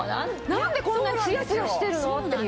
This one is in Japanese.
何でこんなにツヤツヤしてるの？っていう。